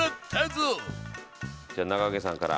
じゃあ中川家さんから。